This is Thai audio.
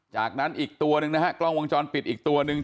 จากนั้นอีกตัวหนึ่งนะฮะกล้องวงจรปิดอีกตัวหนึ่ง